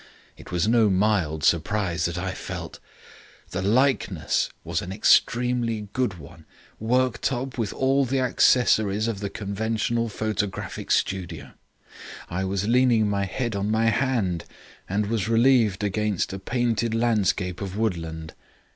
It was no mild surprise that I felt. The likeness was an extremely good one, worked up with all the accessories of the conventional photographic studio. I was leaning my head on my hand and was relieved against a painted landscape of woodland.